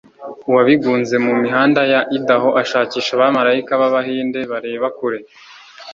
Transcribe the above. uwabigunze mu mihanda ya idaho ashakisha abamarayika b'abahinde bareba kure